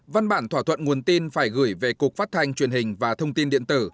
văn bản thỏa thuận nguồn tin phải gửi về cục phát thanh truyền hình và thông tin điện tử